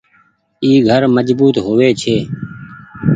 اي گهر مزبوت هووي ڇي